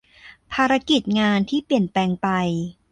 ภารกิจงานที่เปลี่ยนแปลงไป